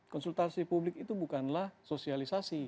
konsultasi publik itu bukanlah sosialisasi